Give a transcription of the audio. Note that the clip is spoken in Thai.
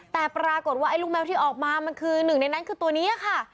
แต่ปรากฏว่าไอ้ลูกแมวที่ออกมามันคือหนึ่งในนั้นคือตัวนี้ค่ะ